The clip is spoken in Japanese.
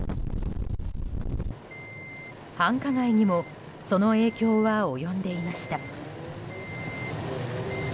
繁華街にもその影響は及んでいました。